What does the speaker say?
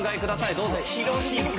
どうぞ。